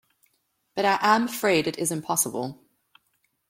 But I am afraid it is impossible.